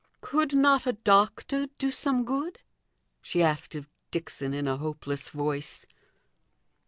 "Could not a doctor do some good?" she asked of Dixon, in a hopeless voice.